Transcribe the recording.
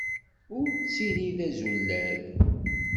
Ur ttili d azulal.